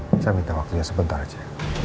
saya minta waktunya sebentar aja